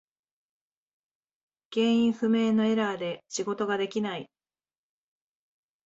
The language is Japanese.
原因不明のエラーで仕事ができない。